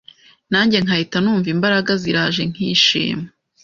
nange nkahita numva imbaraga ziraje nkishima”.